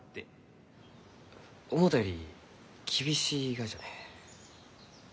思うたより厳しいがじゃねえ。